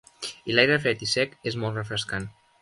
I l'aire fred i sec és molt refrescant.